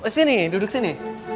sini duduk sini